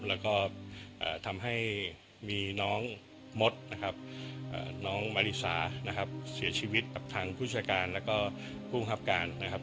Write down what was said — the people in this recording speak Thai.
แล้วก็ทำให้มีน้องมดนะครับน้องมาริสานะครับเสียชีวิตกับทางผู้จัดการแล้วก็ผู้บังคับการนะครับ